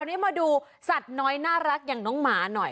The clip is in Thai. วันนี้มาดูสัตว์น้อยน่ารักอย่างน้องหมาหน่อย